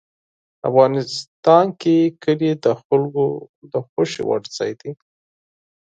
افغانستان کې کلي د خلکو د خوښې وړ ځای دی.